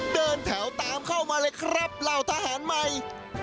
เดินแถวตามเข้ามาเลยครับเหล่าทหารใหม่